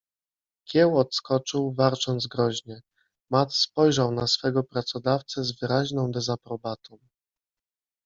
Kieł odskoczył, warcząc groźnie. Matt spojrzał na swego pracodawcę z wyraźną dezaprobatą.